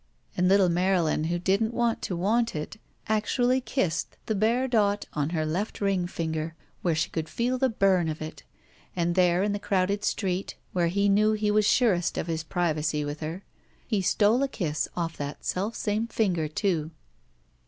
And little Marylin, who didn't want to want it, actually kissed the bare dot on her left ring finger where she could feel the bum of it, and there in the crowded street, where he knew he was surest of his privacy with her, he stole a kiss off that selfsame finger, too.